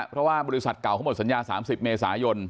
เพราะว่าบริษัทเก่าเขาหมดสัญญา๓๐เมษายน